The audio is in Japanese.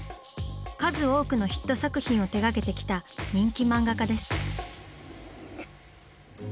数多くのヒット作品を手がけてきた人気漫画家です。